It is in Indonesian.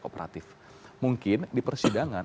kooperatif mungkin di persidangan